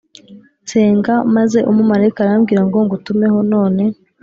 nsenga maze umumarayika arambwira ngo ngutumeho None